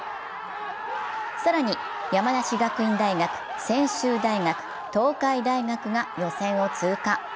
更に、山梨学院大学、専修大学、東海大学が予選を通過。